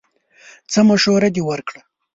څه مشوره دې ورکړه!